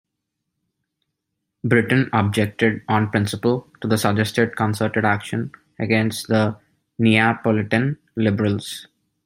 Britain objected, on principle, to the suggested concerted action against the Neapolitan Liberals.